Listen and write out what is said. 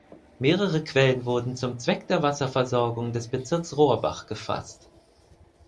Mehrere Quellen wurden zum Zweck der Wasserversorgung des Bezirks Rohrbach gefasst.